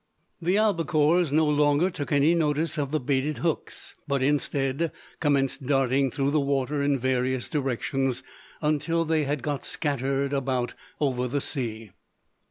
The albacores no longer took any notice of the baited hooks; but, instead, commenced darting through the water in various directions, until they had got scattered about over the sea.